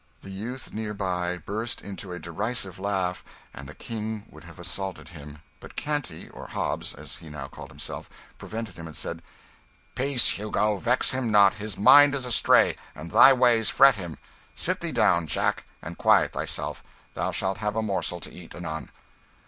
The youth near by burst into a derisive laugh, and the King would have assaulted him, but Canty or Hobbs, as he now called himself prevented him, and said "Peace, Hugo, vex him not; his mind is astray, and thy ways fret him. Sit thee down, Jack, and quiet thyself; thou shalt have a morsel to eat, anon."